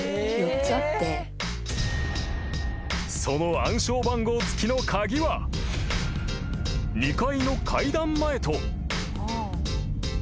［その暗証番号付きの鍵は２階の階段前と］